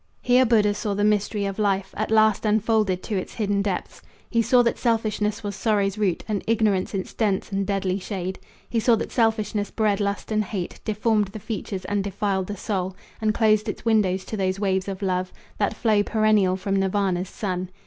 Here Buddha saw the mystery of life At last unfolded to its hidden depths. He saw that selfishness was sorrow's root, And ignorance its dense and deadly shade; He saw that selfishness bred lust and hate, Deformed the features, and defiled the soul And closed its windows to those waves of love That flow perennial from Nirvana's Sun.